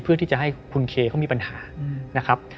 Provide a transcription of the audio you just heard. เพื่อที่จะให้คุณเคเขามีปัญหานะครับ